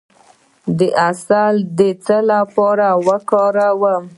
د عسل د څه لپاره وکاروم؟